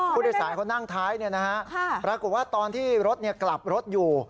ผู้โดยสารเขานั่งท้ายปรากฏว่าตอนที่รถกลับรถอยู่